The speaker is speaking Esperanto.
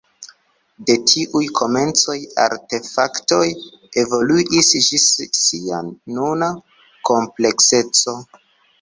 De tiuj komencoj, artefaktoj evoluis ĝis sia nuna komplekseco.